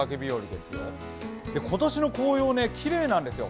そして今年の紅葉、きれいなんですよ。